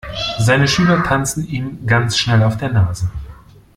Seine Schüler tanzen ihm ganz schnell auf der Nase.